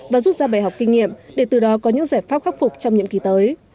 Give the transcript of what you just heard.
và rút ra bài học kinh nghiệm để từ đó có những giải pháp khắc phục trong nhiệm kỳ tới